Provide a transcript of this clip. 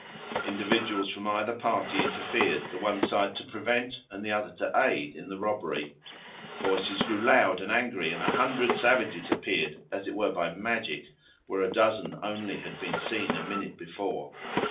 Individuals from either party interfered; the one side to prevent and the other to aid in the robbery. Voices grew loud and angry, and a hundred savages appeared, as it were, by magic, where a dozen only had been seen a minute before.